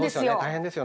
大変ですよね